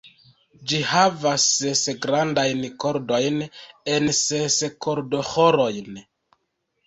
Ĝi havas ses grandajn kordojn en ses kordoĥoroj.